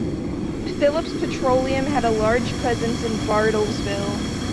Phillips Petroleum had a large presence in Bartlesville.